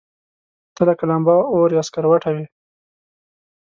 ته لکه لمبه، اور يا سکروټه وې